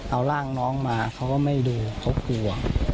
เอาร่างน้องมาเขาก็ไม่ดูเขากลัว